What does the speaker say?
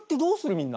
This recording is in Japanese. みんな。